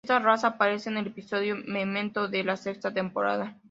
Esta raza aparece en el episodio "Memento" de la sexta temporada.